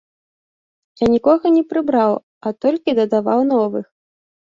Я нікога не прыбраў, а толькі дадаваў новых.